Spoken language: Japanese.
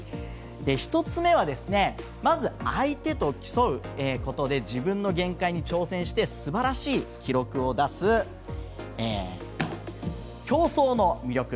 １つ目はまず相手と競うことで自分の限界に挑戦してすばらしい記録を出す競争の魅力ですね。